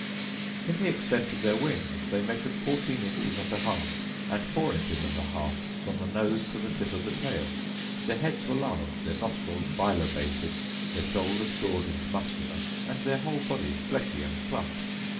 In the extent of their wings they measured fourteen inches and an half, and four inches and an half from the nose to the tip of the tail; their heads were large, their nostrils bilobated, their shoulders broad and muscular, and their whole bodies fleshy and plump.